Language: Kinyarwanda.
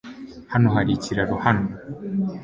Hano hari ikiraro hano .